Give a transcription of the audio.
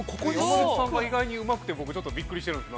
◆山里さんが意外にうまくて、僕ちょっとびっくりしてるんです。